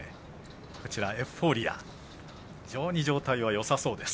エフフォーリア非常に状態はよさそうです。